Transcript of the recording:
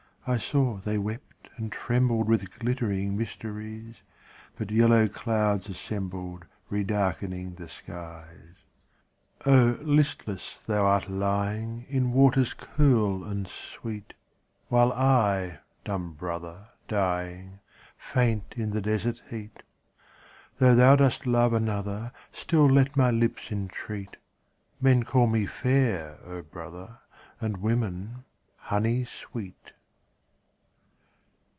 I saw they wept and trembled With glittering mysteries, But yellow clouds assembled Redarkening the skies. O listless thou art lying In waters cool and sweet, While I, dumb brother, dying, Faint in the desert heat. Though thou dost love another, Still let my lips entreat : Men call me fair, O brother, And women honey sweet.